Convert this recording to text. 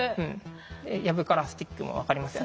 「藪からスティック」も分かりますよね？